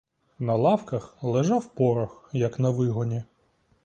На лавках лежав порох, як на вигоні.